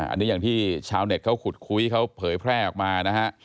อันนี้อย่างที่ชาวเน็ตเขาขุดคุยเขาเผยแพร่ออกมานะฮะ